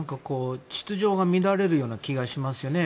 秩序が乱れるような気がしますよね。